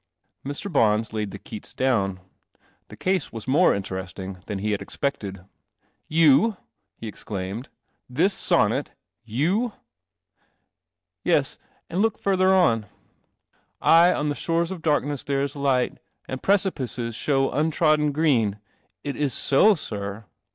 Mr. Bons laid the Keats down. The case was more interesting than he had expected. " You f " he exclaimed. " This sonnet, you ?' "Yes — and look further on: 'Aye, on the shores of darkness there is light, and precipices show untrodden green.' It is so, sir.